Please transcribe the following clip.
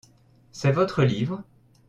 C'est votre livre ?